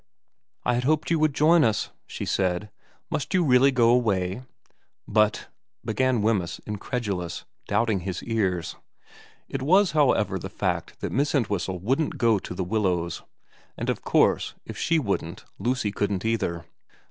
' I had hoped you would join us,' she said. * Must you really go away ?'' But ' began Wemyss, incredulous, doubting his ears. It was, however, the fact that Miss Entwhistle wouldn't go to The Willows ; and of course if she wouldn't Lucy couldn't either.